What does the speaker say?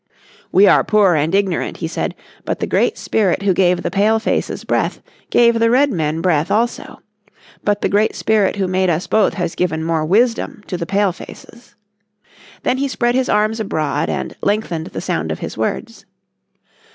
"We are poor and ignorant," he said, "but the Great Spirit who gave the Pale faces breath gave the Redmen breath also. But the Great Spirit who made us both has given more wisdom to the Pale faces." Then he spread his arms abroad and lengthened the sound of his words.